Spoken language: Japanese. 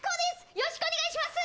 よろしくお願いします